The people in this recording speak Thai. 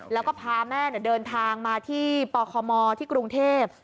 แล้วก็พาแม่เดินทางมาที่ปคมที่กรุงเทพ